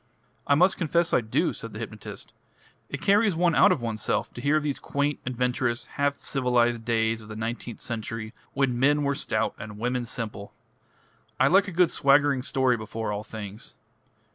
"I must confess I do," said the hypnotist. "It carries one out of oneself to hear of those quaint, adventurous, half civilised days of the nineteenth century, when men were stout and women simple. I like a good swaggering story before all things.